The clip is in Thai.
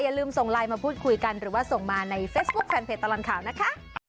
อย่าลืมส่งไลน์มาพูดคุยกันหรือว่าส่งมาในเฟซบุ๊คแฟนเพจตลอดข่าวนะคะ